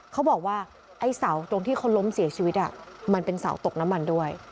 เขาบอกว่าไอ้เสาตรงที่เขาล้มเสียชีวิตมันเป็นเสาตกน้ำมันด้วย